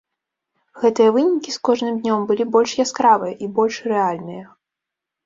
Гэтыя вынікі з кожным днём былі больш яскравыя і больш рэальныя.